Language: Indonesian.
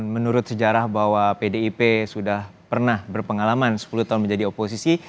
menurut sejarah bahwa pdip sudah pernah berpengalaman sepuluh tahun menjadi oposisi